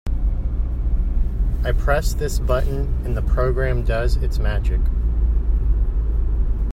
I press this button and the program does its magic.